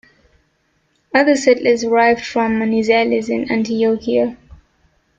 Other settlers arrived from Manizales and Antioquia.